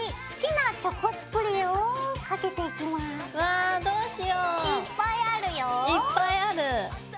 いっぱいある。